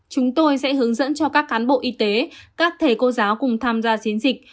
chúng tôi sẽ hướng dẫn cho các cán bộ y tế các thầy cô giáo cùng tham gia chiến dịch